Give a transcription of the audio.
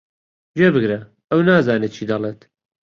گوێبگرە، ئەو نازانێت چی دەڵێت.